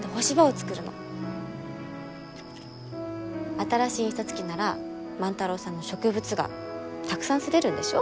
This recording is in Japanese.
新しい印刷機なら万太郎さんの植物画たくさん刷れるんでしょ？